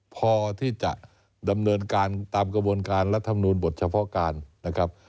พอที่จะดำเนินการตามกระบวนการรัฐมนูลบทเฉพาะการนะครับ